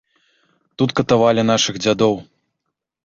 Тут катавалі нашых дзядоў.